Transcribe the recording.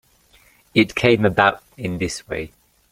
It came about in this way.